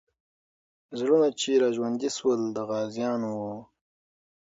زړونه چې راژوندي سول، د غازیانو وو.